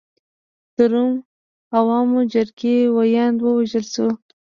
د روم د عوامو جرګې ویاند ووژل شو.